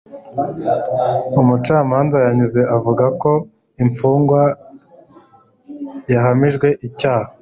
Umucamanza yanzuye avuga ko imfungwa yahamijwe icyaha